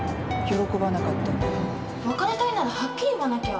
別れたいならはっきり言わなきゃ。